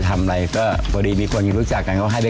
ถ้าไม่เชื่อคุณลุงบอกขออนุญาตให้ผมไป